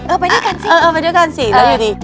ไปด้วยกันสิเออไปด้วยกันสิแล้วอยู่ดี